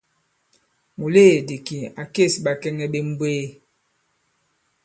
Mùleèdì kì à kês ɓakɛŋɛ ɓe mbwee.